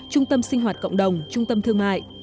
trung tâm sinh hoạt cộng đồng trung tâm thương mại